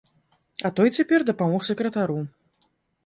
А той цяпер дапамог сакратару.